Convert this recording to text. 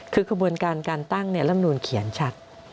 คือขบวนการการตั้งเนี่ยแล้วมันโดนเขียนชัด